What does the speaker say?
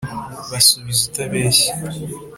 basubize utabeshya!